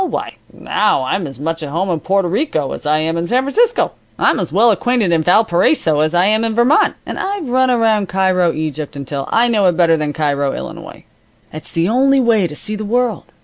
Why, now I'm as much at home in Porto Rico as I am in San Francisco. I'm as well acquainted in Valparaiso as I am in Vermont, and I've run around Cairo, Egypt, until I know it better than Cairo, Illinois. It's the only way to see the world.